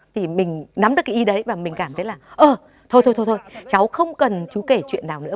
thì mình nắm được cái ý đấy và mình cảm thấy là ờ thôi thôi thôi thôi cháu không cần chú kể chuyện nào nữa